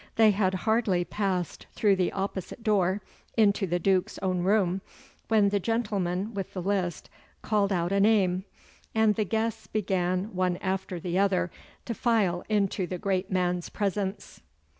They had hardly passed through the opposite door into the Duke's own room, when the gentleman with the list called out a name, and the guests began one after the other to file into the great man's presence.